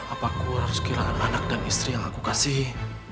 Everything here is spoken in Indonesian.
apaku harus kehilangan anak dan istri yang aku kasihi